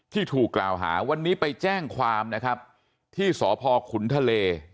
ถูกกล่าวหาวันนี้ไปแจ้งความนะครับที่สพขุนทะเล